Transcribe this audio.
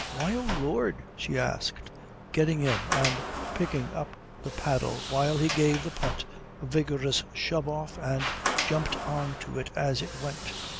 "Why O Lord?" she asked, getting in and picking up the paddle while he gave the punt a vigorous shove off and jumped on to it as it went.